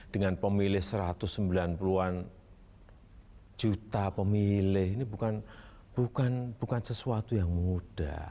dengan pemilih satu ratus sembilan puluh an juta pemilih ini bukan sesuatu yang mudah